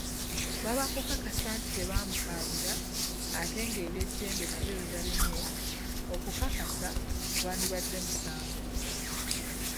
Baba kukakasa nti tebaamukaabira, ate ng'eby'ejjembe nabyo bibalemye okukakasa, gwandibadde musango.